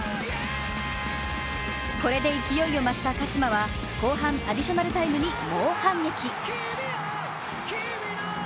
これで勢いを増した鹿島は後半アディショナルタイムに猛反撃。